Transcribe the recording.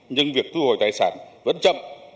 nhưng việc thu hồi tài sản vẫn chậm